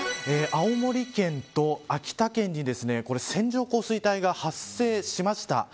青森県と秋田県に線状降水帯が発生しました。